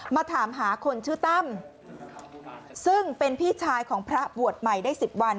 มาถามหาคนชื่อตั้มซึ่งเป็นพี่ชายของพระบวชใหม่ได้๑๐วัน